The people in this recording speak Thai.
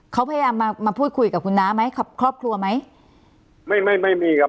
เขาพยายามมามาพูดคุยกับคุณน้าไหมครับครอบครัวไหมไม่ไม่ไม่มีครับ